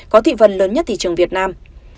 có thị vần lớn nhất thị trường việt nam